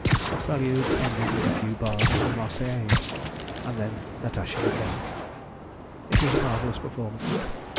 The prelude ended with a few bars of the "Marseillaise," and then Natasha began. It was a marvellous performance.